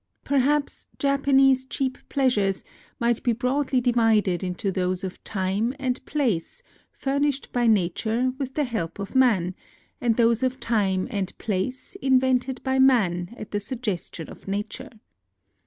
Perhaps Japanese cheap pleasures might be broadly divided into those of time and place furnished by nature with the^help of man, and those of time and place invented by man at the suggestion of nature.